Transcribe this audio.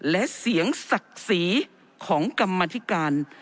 และเสียงศักดิ์ศรีของกรรมธิการ